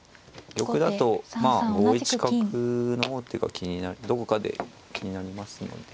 玉だとまあ５一角の王手がどこかで気になりますので。